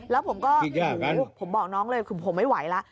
แล้วผมก็หูผมบอกน้องเลยคุณผมไม่ไหวละ